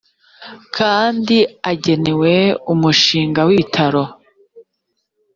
kandi agenewe umushinga w ibitaro